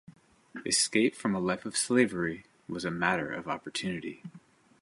Escape from a life of slavery was a matter of opportunity.